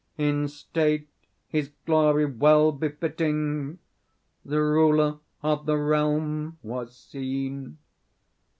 In state his glory well befitting, The ruler of the realm was seen.